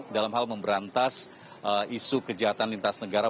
dalam hal memberantas isu kejahatan lintas negara